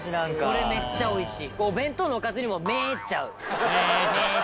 これめっちゃおいしい。